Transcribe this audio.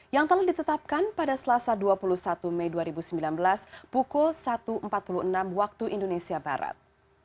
yang telah ditetapkan pada selasa dua puluh satu mei dua ribu sembilan belas pukul satu empat puluh enam waktu indonesia barat